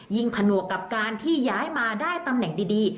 ผนวกกับการที่ย้ายมาได้ตำแหน่งดี